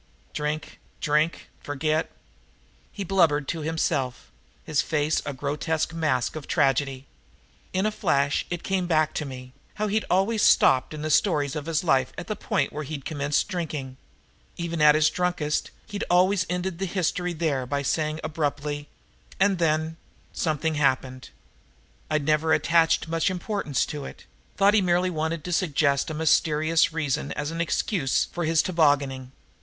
Drink! Drink! Forget!" He blubbered to himself, his face a grotesque masque of tragedy. In a flash it came back to me how he'd always stopped in the stories of his life at the point where he'd commenced drinking. Even at his drunkest he'd always ended the history there by saying abruptly: "and then something happened." I'd never attached much importance to it thought he merely wanted to suggest a mysterious reason as an excuse for his tobogganing.